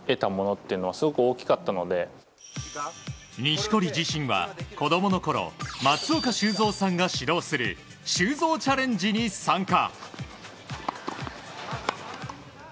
錦織自身は、子供のころ松岡修造さんが指導する修造チャレンジに参加。